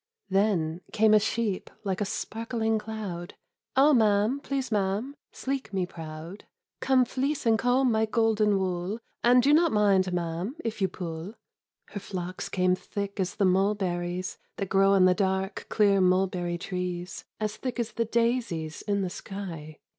Then came a sheep like a sparkling cloud ; "Oh, ma'am, please, ma'am, sleek me proud, Come fleece and comb my golden wool, And do not mind, ma'am, if you pull !" Her flocks came thick as the mulberries That grow on the dark, clear mulberry trees. As thick as the daisies in the sky